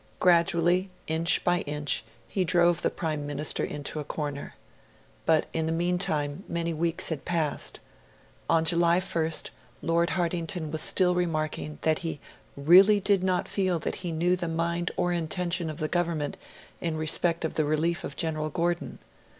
Gradually, inch by inch, he drove the Prime Minister into a corner. But in the meantime many weeks had passed. On July 1st, Lord Hartington was still remarking that he 'really did not feel that he knew the mind or intention of the Government in respect of the relief of General Gordon'.